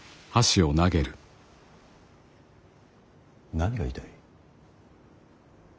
何が言いたい。